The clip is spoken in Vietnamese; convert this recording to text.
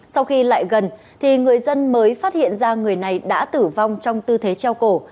sau khi lại gần thì người dân mới phát hiện ra người này đã tử vong trong tư thế treo cổ